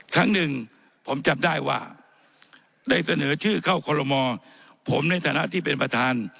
ครั้งหนึ่งผมจำได้ว่าในฐาษณ์ที่เป็นประธาน